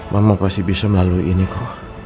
mama pasti bisa melalui ini kok